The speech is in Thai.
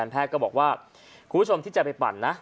แพทย์ก็บอกว่าคุณผู้ชมที่จะไปปั่นนะ